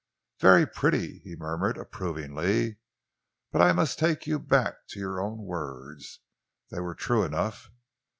"Very pretty," he murmured approvingly, "but I must take you back to your own words they were true enough.